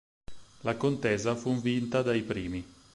La contesa fu vinta dai primi.